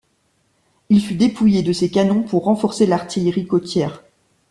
Il fut dépouillé de ses canons pour renforcer l'artillerie côtière.